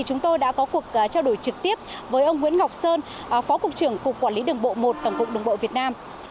chúng tôi đã có cuộc trao đổi trực tiếp với ông nguyễn ngọc sơn phó cục trưởng cục quản lý đường bộ một tổng cục đường bộ việt nam